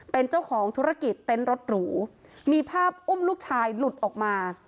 เป็นเจ้าของธุรกิจเต็นต์รถหรูมีภาพอุ้มลูกชายหลุดออกมา